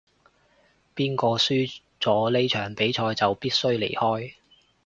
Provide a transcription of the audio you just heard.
邊個輸咗呢場比賽就必須離開